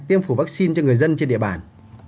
tiêm phủ vaccine cho người dân trên địa bàn